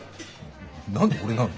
何で俺なの？